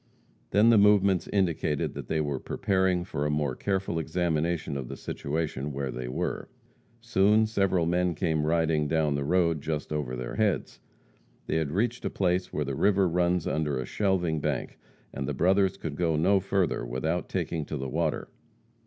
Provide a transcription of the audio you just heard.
Then the movements indicated that they were preparing for a more careful examination of the situation where they were. Soon several men came riding down the road just over their heads. They had reached a place where the river runs under a shelving bank and the brothers could go no further without taking to the water.